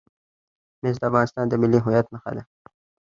مس د افغانستان د ملي هویت نښه ده.